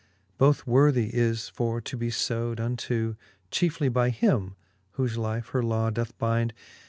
Both worthie is for to be lewd unto, Chiefely by him, whole life her law doth bynd.